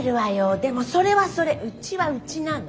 でもそれはそれうちはうちなの。